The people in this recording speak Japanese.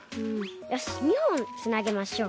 よし２ほんつなげましょう。